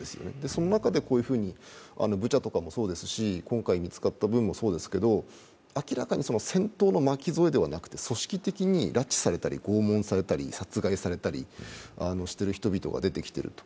その中でこういうふうにブチャとかもそうですし、今回見つかった分もそうですけど、明らかに戦争の巻き添えではなく組織的に拉致されたり、拷問されたり殺害されたりしている人々が出てきていると。